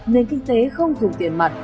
nền kinh tế không dùng tiền mặt